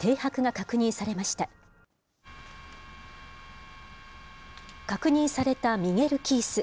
確認されたミゲルキース。